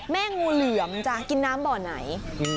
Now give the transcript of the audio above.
งูเหลือมจะกินน้ำบ่อไหน